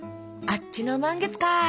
あっちの満月か。